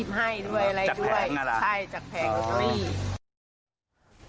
จากแพงอ่ะล่ะใช่จากแพง